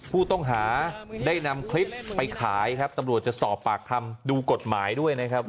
ผู้ต้องหาได้นำคลิปไปขายครับตำรวจจะสอบปากคำดูกฎหมายด้วยนะครับ